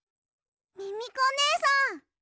ミミコねえさん！